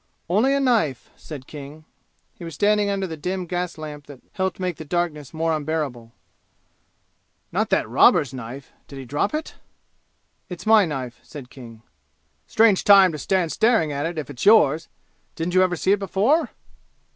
"Only a knife," said King. He was standing under the dim gas lamp that helped make the darkness more unbearable. "Not that robber's knife? Did he drop it?" "It's my knife," said King. "Strange time to stand staring at it, if it's yours! Didn't you ever see it before?"